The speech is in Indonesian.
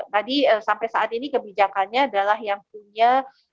tadi sampai saat ini kebijakannya adalah yang punya